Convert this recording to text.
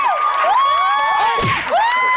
ว้าว